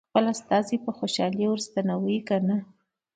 خپل استازی په خوشالۍ ور ستنوي که نه.